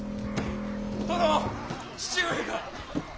殿父上が！